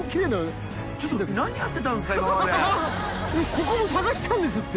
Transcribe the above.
ここも探したんですって。